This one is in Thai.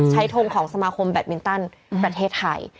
ทงของสมาคมแบตมินตันประเทศไทย